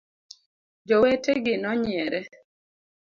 Jowete gi nonyiere.